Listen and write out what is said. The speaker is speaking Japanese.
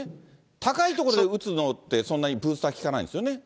高いところで打つのって、そんなにブースター効かないんですよね？